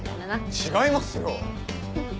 違いますよ！